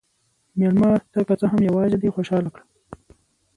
مېلمه ته که څه هم یواځې دی، خوشحال کړه.